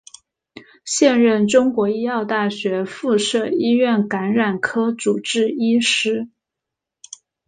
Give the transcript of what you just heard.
现任中国医药大学附设医院感染科主治医师。